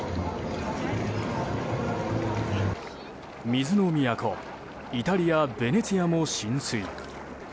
水の都イタリア・ベネチアも浸水。